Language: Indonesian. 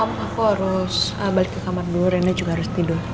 aku harus balik ke kamar dulu renda juga harus tidur